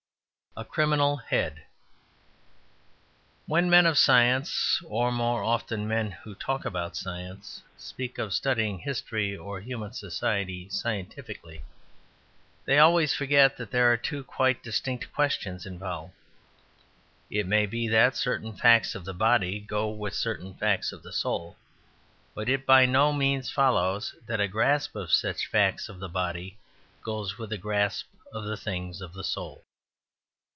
A Criminal Head When men of science (or, more often, men who talk about science) speak of studying history or human society scientifically they always forget that there are two quite distinct questions involved. It may be that certain facts of the body go with certain facts of the soul, but it by no means follows that a grasp of such facts of the body goes with a grasp of the things of the soul.